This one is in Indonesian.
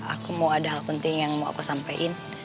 aku mau ada hal penting yang mau aku sampein